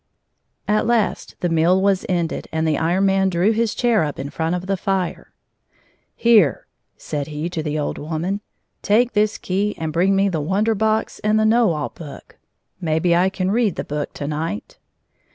H3 At last the meal was ended, and the Iron Man drew his chair up in front of the fire. " Here/' said he to the old woman, " take this key and hring me the Wonder Box and the Know All Book. Mayhe I can read the hook to night."